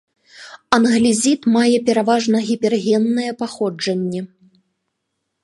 Англезіт мае пераважна гіпергеннае паходжанне.